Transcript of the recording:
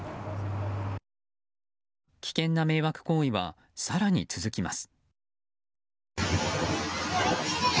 危険な迷惑行為は更に続きます。